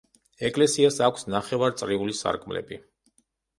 ეკლესიას აქვს ნახევრაწრიული სარკმლები.